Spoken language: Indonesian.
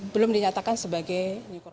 belum dinyatakan sebagai